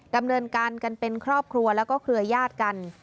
ดำเนินการกันเป็นครอบครัวแล้วก็เครือญาติกัน